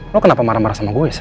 lo kenapa marah marah sama gue